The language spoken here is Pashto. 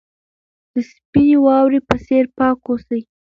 د سپینې واورې په څېر پاک اوسئ.